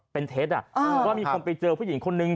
เป็นเท็จว่ามีคนไปเจอผู้หญิงคนนึง